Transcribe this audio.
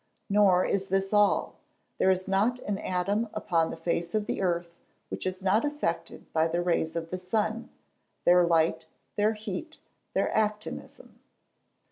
Nor is this all: there is not an atom upon the face of the earth which is not affected by the rays of the sun, their light, their heat, their actinism.